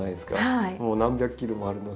もう何百キロもあるので。